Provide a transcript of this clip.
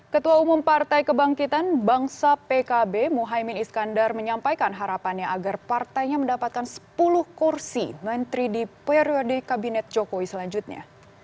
ketua umum partai kebangkitan bangsa pkb muhaymin iskandar menyampaikan harapannya agar partainya mendapatkan sepuluh kursi menteri di periode kabinet jokowi selanjutnya